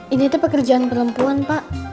ini itu pekerjaan perempuan pak